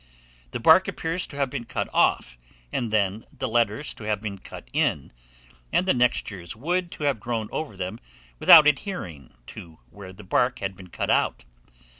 The bark appears to have been cut off, and then the letters to have been cut in, and the next year's wood to have grown over them without adhering to where the bark had been cut out.